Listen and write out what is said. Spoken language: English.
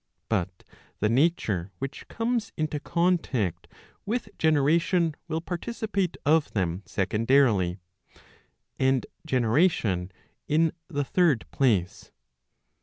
But the nature which comes into contact with generation will participate of them secondarily. And generation in the third place.